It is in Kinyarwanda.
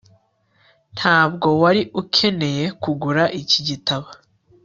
ntabwo wari ukeneye kugura iki gitabo